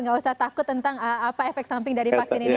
nggak usah takut tentang apa efek samping dari vaksin ini